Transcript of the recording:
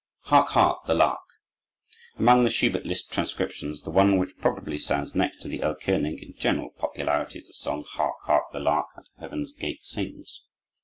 Hark! Hark! the Lark Among the Schubert Liszt transcriptions, the one which probably stands next to the "Erlkönig" in general popularity is the song "Hark! Hark! the Lark at Heaven's Gate Sings!"